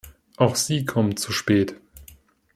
Auch sie kommen zu spät.